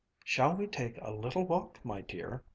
"Shall we take a little walk, my dear?"